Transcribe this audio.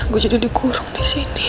gue jadi dikurung disini